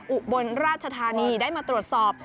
อุบลราชธานีได้มาตรวจสอบ